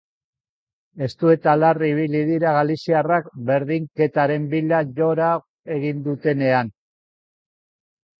Estu eta larri ibili dira, galiziarrak berdinketaren bila gora egin dutenean.